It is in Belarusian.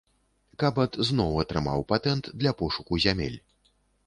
Кабат зноў атрымаў патэнт для пошуку зямель.